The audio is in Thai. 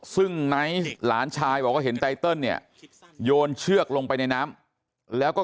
ซึ่งไนท์หลานชายบอกว่าเห็นไตเติลเนี่ยโยนเชือกลงไปในน้ำแล้วก็